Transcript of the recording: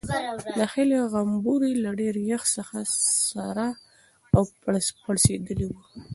د هیلې غومبوري له ډېر یخ څخه سره او پړسېدلي وو.